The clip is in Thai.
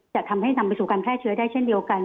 จะทำให้นำไปสู่การแพร่เชื้อได้เช่นเดียวกัน